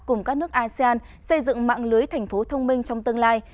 cùng các nước asean xây dựng mạng lưới thành phố thông minh trong tương lai